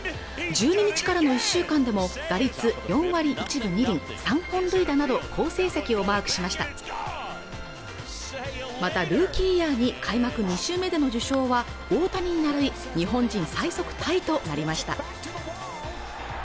１２日からの１週間で打率４割１分２厘３本塁打など好成績をマークしましたまたルーキーイヤーに開幕２週目での受賞は大谷に並び日本人最速タイとなりました